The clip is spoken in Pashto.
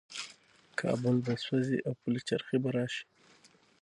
کابل به سوځي او پلچرخي به راشي.